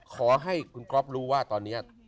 ขอให้คุณก๊อฟรู้ว่าตอนนี้